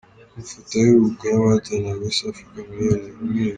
Amafoto aheruka y’abahatanira Miss Africa mu mwiherero.